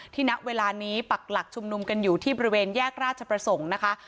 ณเวลานี้ปักหลักชุมนุมกันอยู่ที่บริเวณแยกราชประสงค์นะคะ